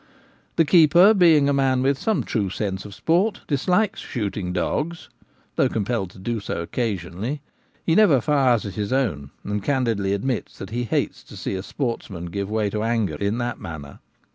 The keeper being a man with some true sense of sport, dislikes shooting dogs, though compelled to do so occasionally; he never fires at his own, and Harvest Time. 1 79 candidly admits that he hates to see a sportsman give way to anger in that manner.